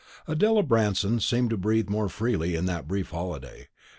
Adela Branston seemed to breathe more freely in that brief holiday.